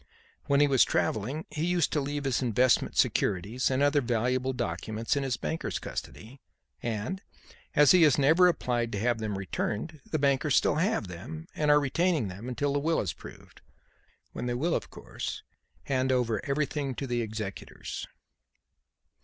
When he was travelling he used to leave his investment securities and other valuable documents in his bankers' custody, and, as he has never applied to have them returned, the bankers still have them and are retaining them until the will is proved, when they will, of course, hand over everything to the executors."